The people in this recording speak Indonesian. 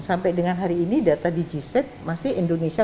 sampai dengan hari ini data di g set masih indonesia